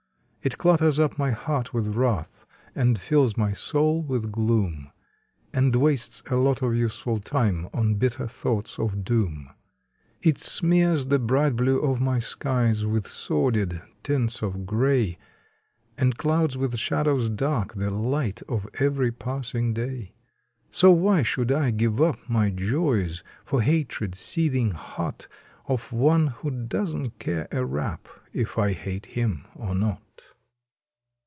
It clutters up my heart with wrath, and fills my soul with gloom, And wastes a lot of useful time on bitter thoughts of doom. It smears the bright blue of my skies with sordid tints of gray, And clouds with shadows dark the light of every passing day. So why should I give up my joys for hatred seething hot Of one who doesn t care a rap if I hate him or not?